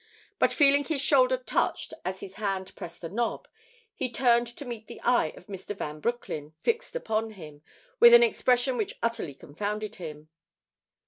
But feeling his shoulder touched as his hand pressed the knob, he turned to meet the eye of Mr. Van Broecklyn fixed upon him with an expression which utterly confounded him.